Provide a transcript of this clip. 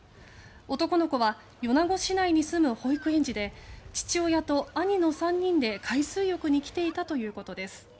男の子は米子市内に住む保育園児で父親と兄の３人で海水浴に来ていたということです。